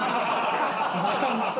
またまた。